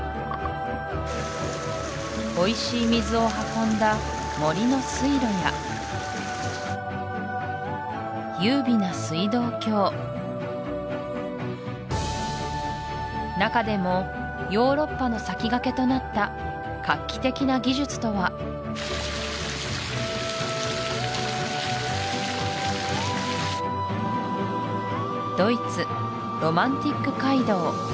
おいしい水を運んだ森の水路や優美な水道橋中でもヨーロッパの先駆けとなったドイツロマンティック街道